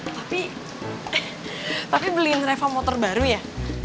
tapi eh tapi beliin reva motor baru ya